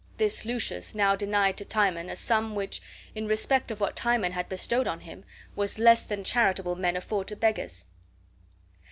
this Lucius now denied to Timon a sum which, in respect of what Timon had bestowed on him, was less than charitable men afford to beggars.